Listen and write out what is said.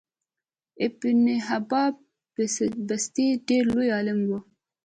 ابن حبان بستي ډیر لوی عالم وو